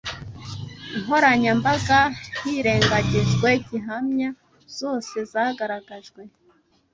nkoranyambaga hirengagijwe gihamya zose zagaragajwe